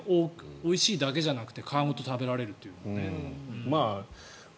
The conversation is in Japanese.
おいしいだけじゃなくて皮ごと食べられるというね。